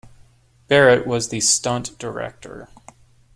Barrett was the stunt director.